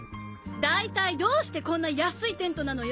大体どうしてこんな安いテントなのよ！